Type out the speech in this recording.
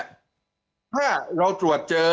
นั่งแม้ถ้าเราตรวจเจอ